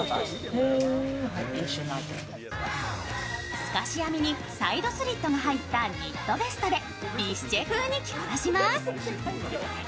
透かし編みにサイドスリットが入ったニットベストでビスチェ風に着こなします。